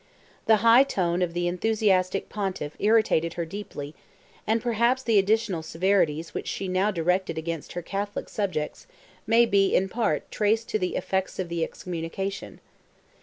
The high tone of the enthusiastic Pontiff irritated her deeply, and perhaps the additional severities which she now directed against her Catholic subjects, may be, in part, traced to the effects of the excommunication.